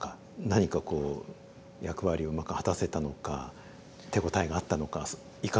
何かこう役割をうまく果たせたのか手応えがあったのかいかがでしたか？